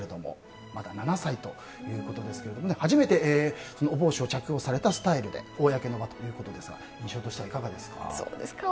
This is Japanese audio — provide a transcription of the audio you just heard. まだ７歳ということですが初めてお帽子を着用されたスタイルで公の場ということですが印象としてはいかがですか。